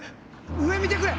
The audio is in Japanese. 上見てくれ！